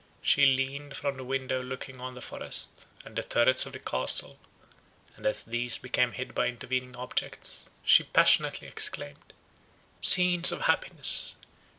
She leaned from the window looking on the forest, and the turrets of the Castle, and as these became hid by intervening objects, she passionately exclaimed—"Scenes of happiness!